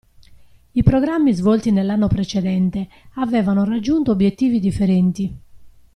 I programmi svolti nell'anno precedente avevano raggiunto obiettivi differenti.